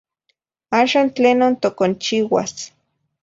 Axan tlenon toconchiuas